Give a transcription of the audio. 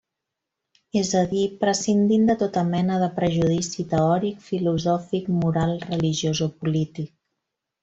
És a dir, prescindint de tota mena de prejudici teòric, filosòfic, moral, religiós o polític.